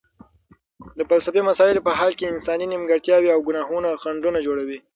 د فلسفي مسایلو په حل کې انساني نیمګړتیاوې او ګناهونه خنډونه جوړوي.